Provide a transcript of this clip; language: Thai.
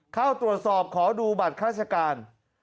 เข้าตรวจสอบขอดูบัตรข้าราชการ